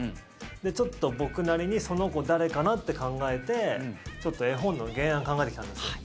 で、ちょっと僕なりにその子誰かなって考えてちょっと絵本の原案考えてきたんですよ。